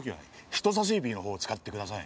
人さし指のほう使ってください。